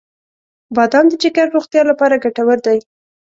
• بادام د جګر روغتیا لپاره ګټور دی.